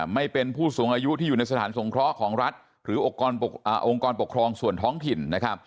ไม่เป็นผู้สูงอายุที่อยู่ในสถานสงเคราะห์ของรัฐหรือองค์กรปกครองส่วนท้องถิ่น